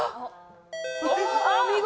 お見事！